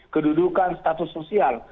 kedudukan status sosial